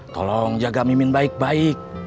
tolong jaga mimi baik baik